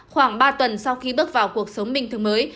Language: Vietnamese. khoảng ba tuần sau khi bước vào cuộc sống bình thường mới